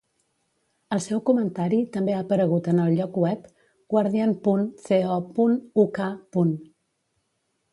El seu comentari també ha aparegut en el lloc web guardian.co.uk.